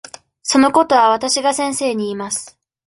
そのことはわたしが先生に言います。